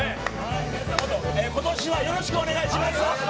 ことしはよろしくお願いします。